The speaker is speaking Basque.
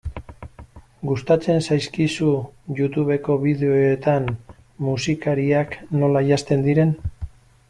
Gustatzen zaizkizu Youtubeko bideoetan musikariak nola janzten diren?